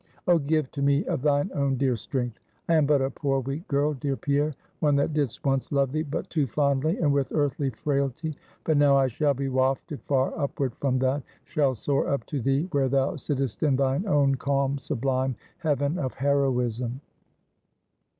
Oh, give to me of thine own dear strength! I am but a poor weak girl, dear Pierre; one that didst once love thee but too fondly, and with earthly frailty. But now I shall be wafted far upward from that; shall soar up to thee, where thou sittest in thine own calm, sublime heaven of heroism.